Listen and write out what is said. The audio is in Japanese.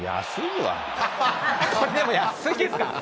これでも安いですか？